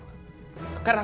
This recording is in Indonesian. karena aku cinta sama bella